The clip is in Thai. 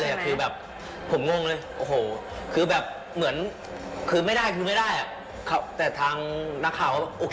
แต่คือแบบผมงงเลยโอ้โหคือแบบเหมือนคือไม่ได้คือไม่ได้อ่ะแต่ทางนักข่าวก็โอเค